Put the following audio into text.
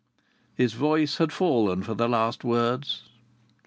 His voice had fallen for the last words.